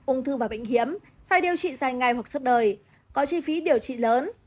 ung thư và bệnh hiếm phải điều trị dài ngày hoặc suốt đời có chi phí điều trị lớn